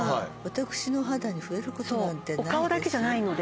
そうお顔だけじゃないので。